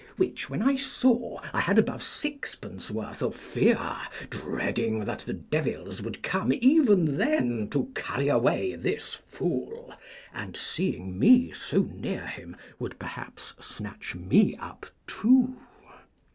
Which when I saw, I had above sixpence' worth of fear, dreading that the devils would come even then to carry away this fool, and, seeing me so near him, would perhaps snatch me up to.